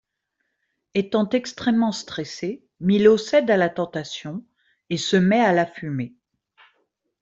Étant extrêmement stressé, Milo cède à la tentation et se met à la fumer.